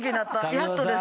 やっとです。